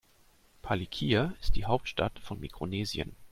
Palikir ist die Hauptstadt von Mikronesien.